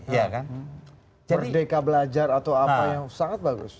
berdeka belajar atau apa yang sangat bagus